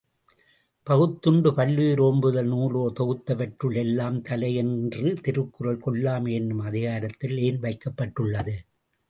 பகுத்துண்டு பல்லுயிர் ஒம்புதல் நூலோர் தொகுத்துவற்றுள் எல்லாம் தலை என்ற திருக்குறள், கொல்லாமை எனும் அதிகாரத்தில் ஏன் வைக்கப்பட்டுள்ளது?